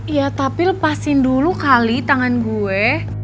iya tapi lepasin dulu kali tangan gue